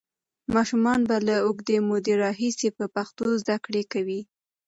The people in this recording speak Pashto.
ماشومان به له اوږدې مودې راهیسې په پښتو زده کړه کوي.